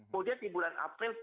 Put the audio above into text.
kemudian di bulan april